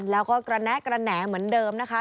แล้วก็กระแนะกระแหน่เหมือนเดิมนะคะ